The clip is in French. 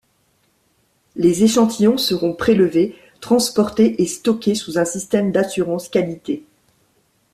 Les échantillons seront prélevés, transportés et stockés sous un système d’assurance qualité.